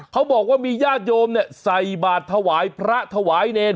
เขาบอกว่ามีญาติโยมใส่บาทถวายพระถวายเนร